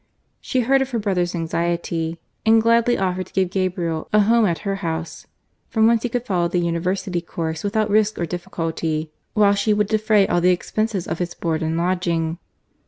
She heard of her brother's anxiety and gladly offered to give Gabriel a home at her house, from whence he could follow the University course GARCIA MORENO. without risk or difficulty, while she would defray all the expenses of his board and lodging.